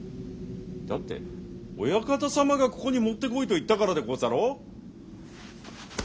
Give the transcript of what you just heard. だってオヤカタ様がここに持ってこいと言ったからでござろう。